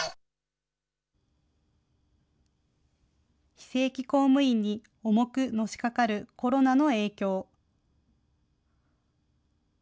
非正規公務員に重くのしかかるコロナの影響。